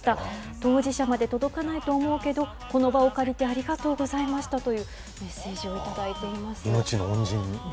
当事者まで届かないと思うけど、この場を借りてありがとうございましたというメッセージを頂いて命の恩人ですね。